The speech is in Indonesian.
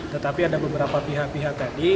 tetapi ada beberapa pihak pihak tadi